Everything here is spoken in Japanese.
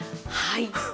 はい。